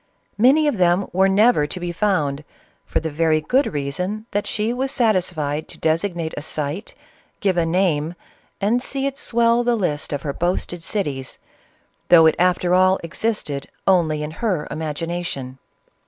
Many of them were never to be found, for the very good reason that she was satisfied to designate a site, give a name, and see it swell the list of her boasted cities, though it after all existed only in her imagina tion.